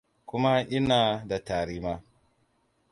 kuma ina da tari ma